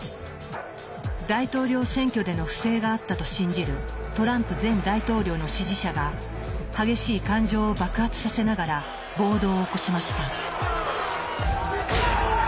大統領選挙での不正があったと信じるトランプ前大統領の支持者が激しい感情を爆発させながら暴動を起こしました。